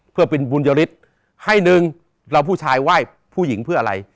เพื่อเป็นบุญยฤทธิ์ให้หนึ่งเราผู้ชายไหว้ผู้หญิงเพื่ออะไร